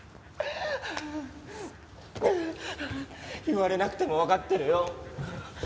言われなくてもわかってるよ。